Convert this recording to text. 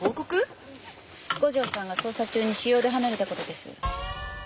五条さんが捜査中に私用で離れたことです。